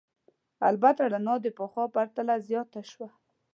البته رڼا د پخوا په پرتله زیاته شوه.